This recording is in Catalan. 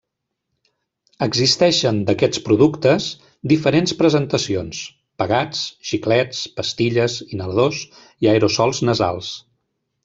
Existeixen, d'aquests productes, diferents presentacions: pegats, xiclets, pastilles, inhaladors i aerosols nasals.